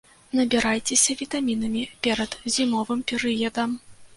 Набірайцеся вітамінамі перад зімовым перыядам.